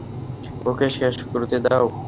ওকে শেষ করতে দাও।